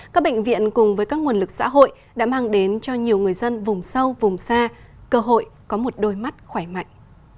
các bệnh viện cùng với các nguồn lực xã hội đã mang đến cho nhiều người dân vùng sâu vùng xa cơ hội có một đôi mắt khỏe mạnh